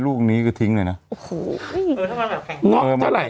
ลูกนี้ก็ทิ้งเลยน่ะโอ้โหเออถ้าว่าแบบนอกเท่าไร